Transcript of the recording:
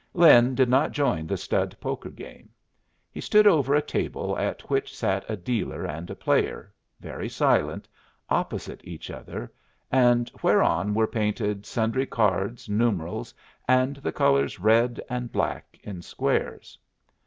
Lin did not join the stud poker game. He stood over a table at which sat a dealer and a player, very silent, opposite each other, and whereon were painted sundry cards, numerals, and the colors red and black in squares.